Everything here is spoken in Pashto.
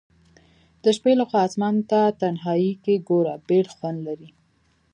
د شپي لخوا آسمان ته تنهائي کي ګوره بیل خوند لري